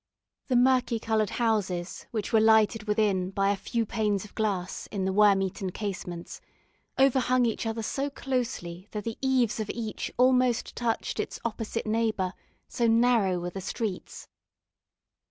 The murky coloured houses, which were lighted within by a few panes of glass in the worm eaten casements, overhung each other so closely that the eaves of each almost touched its opposite neighbour, so narrow were the streets.